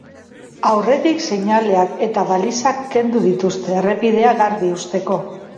Aurretik, seinaleak eta balizak kendu dituzte, errepidea garbi uzteko.